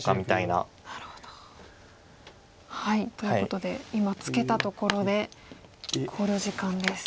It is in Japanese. なるほど。ということで今ツケたところで考慮時間です。